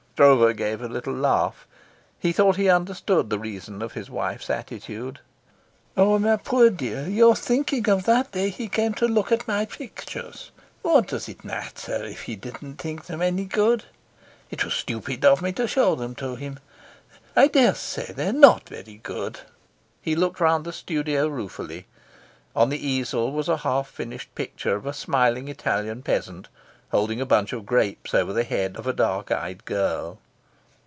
Stroeve gave a little laugh. He thought he understood the reason of his wife's attitude. "Oh, my poor dear, you're thinking of that day he came here to look at my pictures. What does it matter if he didn't think them any good? It was stupid of me to show them to him. I dare say they're not very good." He looked round the studio ruefully. On the easel was a half finished picture of a smiling Italian peasant, holding a bunch of grapes over the head of a dark eyed girl.